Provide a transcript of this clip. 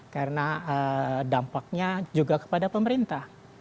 karena dampaknya juga kepada pemerintah